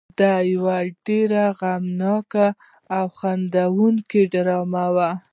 دا یو ډېره غمګینه او خندوونکې ډرامه وه.